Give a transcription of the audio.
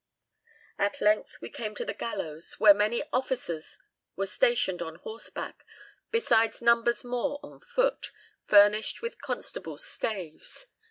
"At length we came to the gallows, where many officers were stationed on horseback, besides numbers more on foot, furnished with constables' staves.